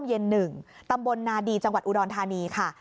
บ้านร่มเย็นหนึ่งตำบลนาดีจังหวัดอุดรธานีค่ะ